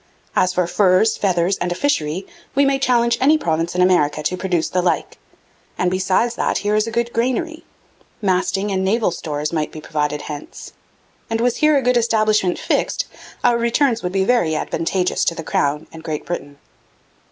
As for furs, feathers, and a fishery, we may challenge any province in America to produce the like, and beside that here is a good grainery; masting and naval stores might be provided hence. And was here a good establishment fixt our returns would be very advantageous to the Crown and Great Britain.'